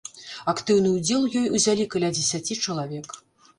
Актыўны ўдзел у ёй узялі каля дзесяці чалавек.